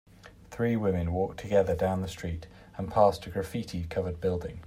Three women walk together down the street and past a graffiti covered building.